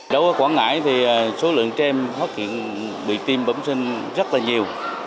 đối với quảng ngãi thì số lượng trẻ em phát hiện bệnh tim bầm sinh rất là nhiều